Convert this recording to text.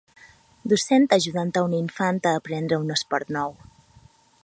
Docent ajudant un infant a aprendre un esport nou.